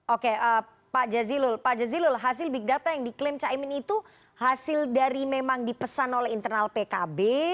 oke pak jazilul hasil big data yang diklaim cak emin itu hasil dari memang dipesan oleh internal pkb